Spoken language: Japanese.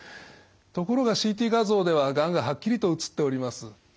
ところがＣＴ画像ではがんがはっきりと写っております。